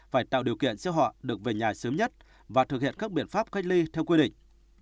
phải tạo điều kiện cho họ được về nhà sớm nhất và thực hiện các biện pháp cách ly theo quy định